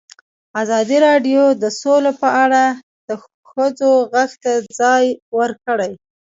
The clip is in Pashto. ازادي راډیو د سوله په اړه د ښځو غږ ته ځای ورکړی.